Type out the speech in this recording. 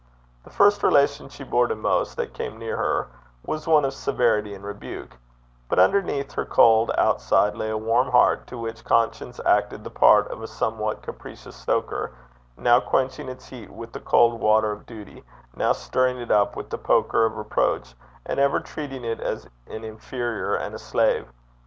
The first relation she bore to most that came near her was one of severity and rebuke; but underneath her cold outside lay a warm heart, to which conscience acted the part of a somewhat capricious stoker, now quenching its heat with the cold water of duty, now stirring it up with the poker of reproach, and ever treating it as an inferior and a slave.